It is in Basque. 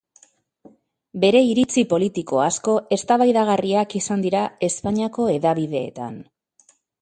Bere iritzi politiko asko eztabaidagarriak izan dira Espainiako hedabideetan.